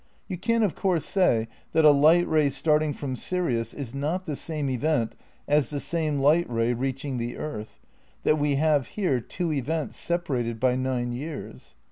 You can of course say that a light ray starting from Sirius is not the same event as the same light ray reaching the earth, that we have here two events separated by nine years.